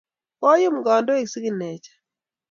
kiyum kandoik sikineja